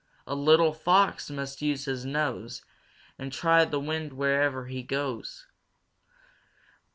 "A little Fox must use his nose And try the wind where'er he goes.